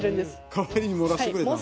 代わりに漏らしてくれたの？